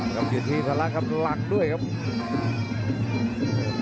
กำลังอยู่ที่สลักครับหลังด้วยครับ